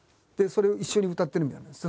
でそれを一緒に歌ってるみたいな。